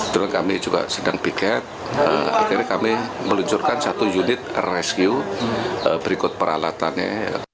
drone kami juga sedang piket akhirnya kami meluncurkan satu unit rescue berikut peralatannya